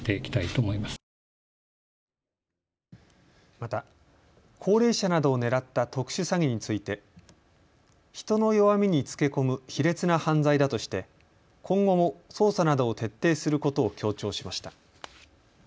また高齢者などを狙った特殊詐欺について人の弱みにつけ込む卑劣な犯罪だとして今後も捜査などを徹底することを強調しました。